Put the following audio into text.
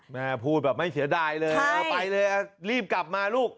แม่พูดแบบไม่เสียดายเลยไปเลยรีบกลับมาลูก